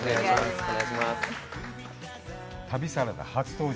旅サラダ初登場。